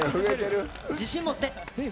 自信持って！